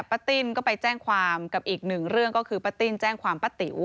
ติ้นก็ไปแจ้งความกับอีกหนึ่งเรื่องก็คือป้าติ้นแจ้งความป้าติ๋ว